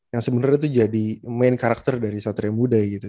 yang sebenarnya itu jadi main karakter dari satria muda gitu